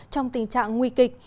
trong tình trạng nguy kịch